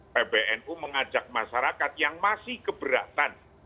pbnu mengajak masyarakat yang masih keberatan